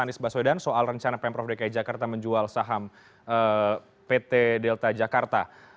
anies baswedan soal rencana pemprov dki jakarta menjual saham pt delta jakarta